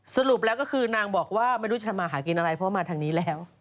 สรุปแล้วก็คือนางบอกว่าไม่รู้จะมาหากินอะไรเพราะมาทางนี้แล้ว